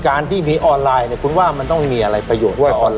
การที่มีออนไลน์คุณว่ามันต้องมีอะไรประโยชน์